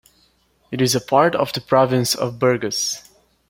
It is part of the Province of Burgos.